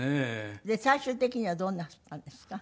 で最終的にはどうなすったんですか？